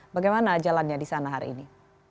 bagaimana jalannya di sana hari ini